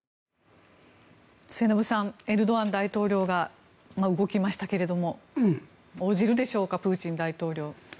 末延さんエルドアン大統領が動きましたけれども応じるでしょうかプーチン大統領。